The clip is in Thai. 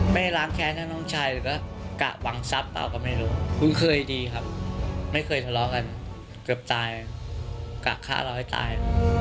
ไม่ล้างแค้นทั้งน้องชายหรือว่ากะวังทรัพย์เปล่าก็ไม่รู้คุ้นเคยดีครับไม่เคยทะเลาะกันเกือบตายกะฆ่าเราให้ตาย